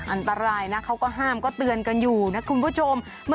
อันตรายนะเขาก็ห้ามก็เตือนกันอยู่นะคุณผู้ชม